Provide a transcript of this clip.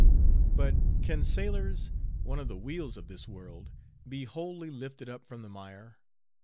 But can sailors, one of the wheels of this world, be wholly lifted up from the mire?